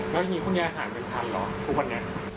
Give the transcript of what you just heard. แล้วทีนี้คุณยาอาหารเป็นทันเหรอทุกวันอย่างนี้